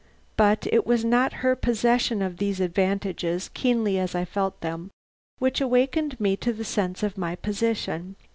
"But it was not her possession of these advantages, keenly as I felt them, which awakened me to the sense of my position.